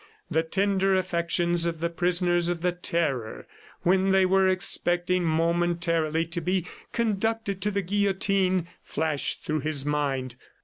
The tender affections of the prisoners of the Terror, when they were expecting momentarily to be conducted to the guillotine, flashed through his mind.